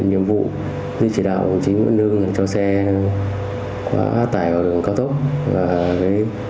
chúng tôi đã thực hiện nhiệm vụ như chỉ đạo đồng chí nguyễn văn hưng cho xe quá tải vào đường cao tốc